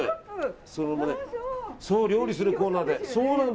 料理するコーナーで。